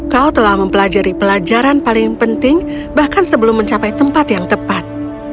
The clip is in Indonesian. kau telah mempelajari pelajaran paling penting bahkan sebelum mencapai tempat yang tepat